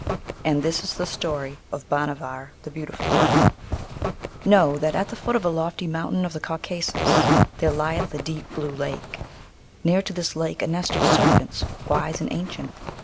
AND THIS IS THE STORY OF BHANAVAR THE BEAUTIFUL Know that at the foot of a lofty mountain of the Caucasus there lieth a deep blue lake; near to this lake a nest of serpents, wise and ancient.